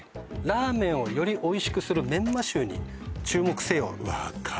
「ラーメンをよりおいしくするメンマ臭に注目せよ！」